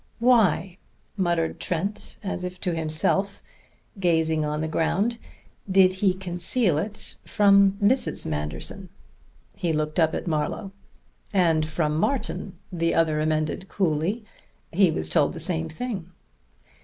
"Why," muttered Trent as if to himself, gazing on the ground, "did he conceal it from Mrs. Manderson?" He looked up at Marlowe. "And from Martin," the other amended coolly. "He was told the same thing."